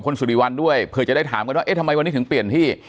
คุณสุริวัลด้วยเผื่อจะได้ถามกันว่าเอ๊ะทำไมวันนี้ถึงเปลี่ยนที่